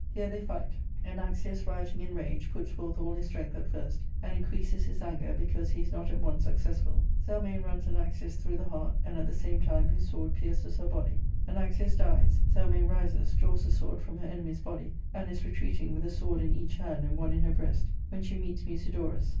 Here they fight Anaxius, rioting in rage, puts forth all his strength at first, and increases his anger because he is not at once successful. Zelmane runs Anaxius through the heart, and at the same time his sword pierces her body. Anaxius dies ; Zelmane rises, draws the sword from her enemy's body, and is retreating, with a sword in each hand and one in her breast, when she meets Musi dorus.